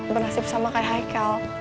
bernasib sama kayak haikal